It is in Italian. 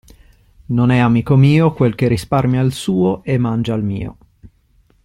Non è amico mio quel che risparmia il suo e mangia il mio.